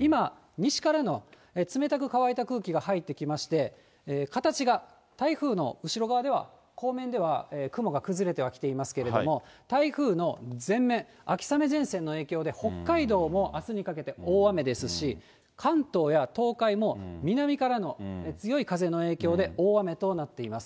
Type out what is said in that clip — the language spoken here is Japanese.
今、西からの冷たく乾いた空気が入ってきまして、形が台風の後ろ側では、後面では雲が崩れてはきてますけれども、台風の前面、秋雨前線の影響で北海道もあすにかけて大雨ですし、関東や東海も南からの強い風の影響で大雨となっています。